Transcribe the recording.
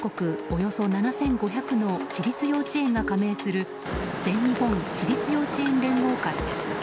およそ７５００の私立幼稚園が加盟する全日本私立幼稚園連合会です。